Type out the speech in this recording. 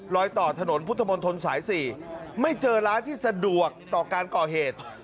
ต่อถนนพุทธมนตรสาย๔ไม่เจอร้านที่สะดวกต่อการก่อเหตุ